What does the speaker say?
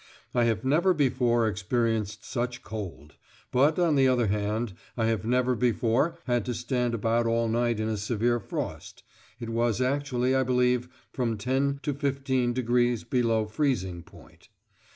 I have never before experienced such cold; but, on the other hand, I have never before had to stand about all night in a severe frost (it was actually, I believe, from 10° to 15° below freezing point).